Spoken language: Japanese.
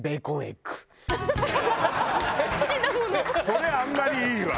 それあんまりいいわ。